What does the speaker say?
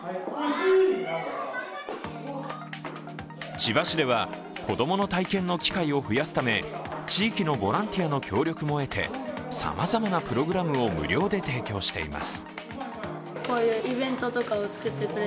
千葉市では、子供の体験の機会を増やすため地域のボランティアの協力も得てさまざまなプログラムを無料で提供しています。